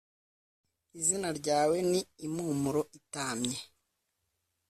izina ryawe ni impumuro itamye,